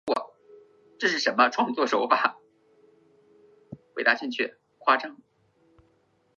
授兵部武选司主事。